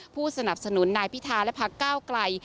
ผู้สนับสนุนนายพิธาและพักก้าวไกล